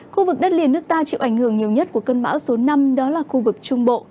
khu vực đất liền nước ta chịu ảnh hưởng nhiều nhất của cơn bão số năm đó là khu vực trung bộ